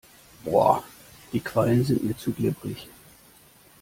Boah, die Quallen sind mir zu glibberig.